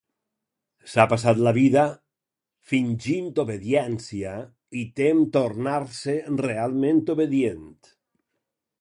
S'ha passat la vida fingint obediència i tem tornar-se realment obedient.